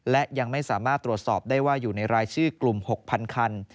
และยังไม่สามารถตรวจสอบได้ว่าอยู่ในรายชื่อกลุ่ม๖๐๐คัน